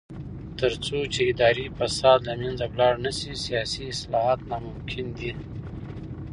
تر څو چې اداري فساد له منځه لاړ نشي، سیاسي اصلاحات ناممکن دي.